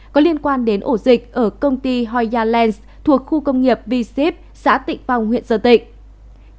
có liên quan đến ổ dịch ở công ty hoya lens thuộc khu công nghiệp v sip xã tịnh phong huyện sơn tịnh